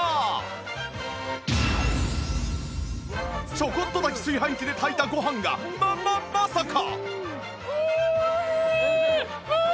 ちょこっと炊き炊飯器で炊いたご飯がまままさか！